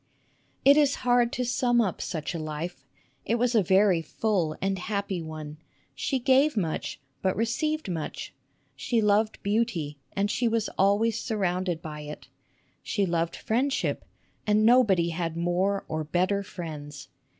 It is hard to sum up such a life. It was a very full and happy one. She gave much, but received much. She loved beauty, and she was always sur rounded by it. She loved friendship, and nobody had more or better friends.